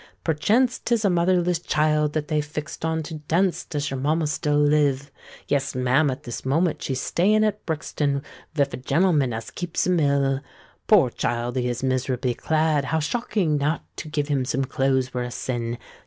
—" "Perchance 'tis a motherless child that they've fixed on To dance. Does your mamma live still?—" "Yes, ma'am; at this moment she's stayin' at Brixton, Vith a gen'leman as keeps a mill.—" "Poor child, he is miserably clad! How shocking! Not to give him some clothes were a sin!